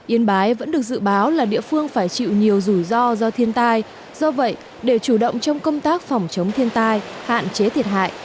yên bái vẫn được dự báo là địa phương phải chịu nhiều rủi ro do thiên tai do vậy để chủ động trong công tác phòng chống thiên tai hạn chế thiệt hại